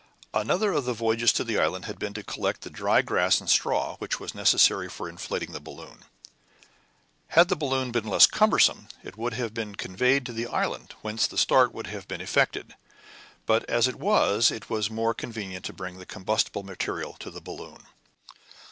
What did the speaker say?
Another of the voyages to the island had been to collect the dry grass and straw which was necessary for inflating the balloon. Had the balloon been less cumbersome it would have been conveyed to the island, whence the start would have been effected; but as it was, it was more convenient to bring the combustible material to the balloon.